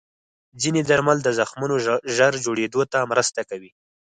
ځینې درمل د زخمونو ژر جوړېدو ته مرسته کوي.